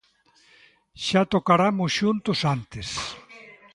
Xa tocaramos xuntos antes.